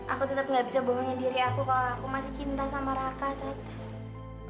aku tetap gak bisa bohongin diri aku kalau aku masih cinta sama raka saja